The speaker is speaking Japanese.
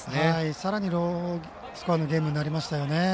さらにロースコアのゲームになりましたよね。